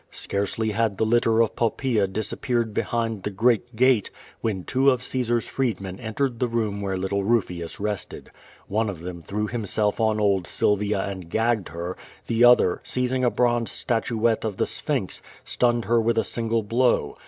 Scarcely had the litter of Popi>aea disappeared behind the great gate, when two of Caesar's freedmen entered the room where little Kufius rested. One of them threw himself on old Sylvia and gagged her; the other, seizing a bronze statuette of the Sphinx, stunned her with a single blow.